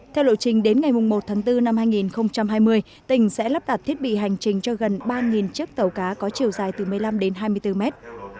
theo lộ trình đến ngày một tháng bốn năm hai nghìn hai mươi tỉnh sẽ lắp đặt thiết bị hành trình cho gần ba chiếc tàu cá có chiều dài từ một mươi năm đến hai mươi bốn mét